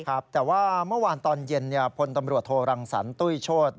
ครับแต่ว่าเมื่อวานตอนเย็นพลตำรวจโทรังสรรตุ้ยโชธ